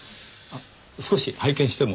少し拝見しても？